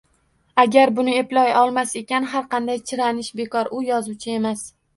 Agar buni eplay olmas ekan, har qanday chiranish bekor u yozuvchi emas